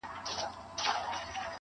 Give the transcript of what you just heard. گلي.